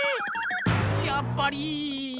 やっぱり。